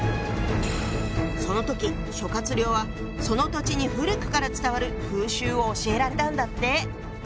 その時諸亮はその土地に古くから伝わる風習を教えられたんだって。